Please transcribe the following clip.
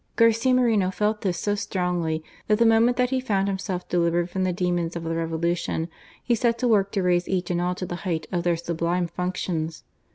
Garcia Moreno felt this so strongly that the moment that he found himself delivered from the demons of the Revolution, he set to work to raise each and all to the height of their sublime functions.